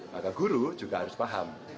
maka guru juga harus paham